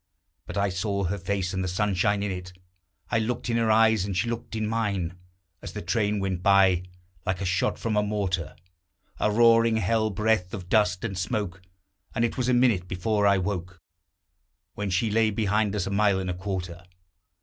But I saw her face, and the sunshine in it; I looked in her eyes, and she looked in mine As the train went by, like a shot from a mortar: A roaring hell breath of dust and smoke. And it was a minute before I woke, When she lay behind us a mile and a quarter.